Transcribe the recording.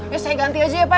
ya saya ganti aja ya pak